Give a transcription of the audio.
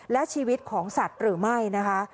และชีวิตของสัตว์หรือไม่นะคะ